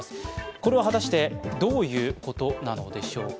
これは果たして、どういうことなのでしょうか。